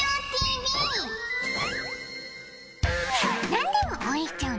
何でも応援しちゃう